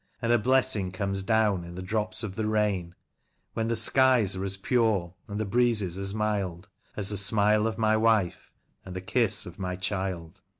And a blessing comes down in the drops of the rain ; When the skies are as pure and the breezes as mild As the smile of my wife and the kiss of my child.